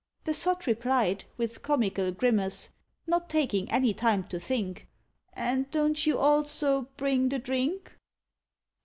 The sot replied, with comical grimace, Not taking any time to think, "And don't you also bring the drink?"